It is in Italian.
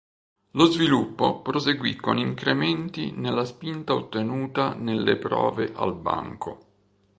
Lo sviluppo proseguì con incrementi nella spinta ottenuta nelle prove al banco.